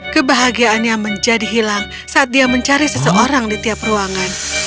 kebahagiaannya menjadi hilang saat dia mencari seseorang di tiap ruangan